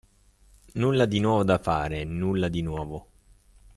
Nulla di nuovo da fare, nulla di nuovo.